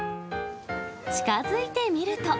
近づいてみると。